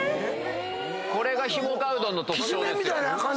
これがひもかわうどんの特徴ですよ。